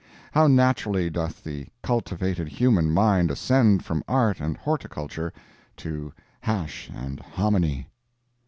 How naturally doth the cultivated human mind ascend from art and horticultural to hash and hominy!